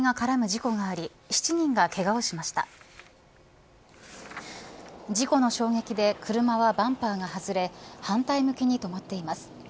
事故の衝撃で車はバンパーが外れ反対向きに止まっています。